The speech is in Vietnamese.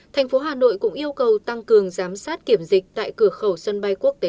thành phố hà nội cũng yêu cầu tăng cường giám sát kiểm dịch tại cửa khẩu sân bay quốc tế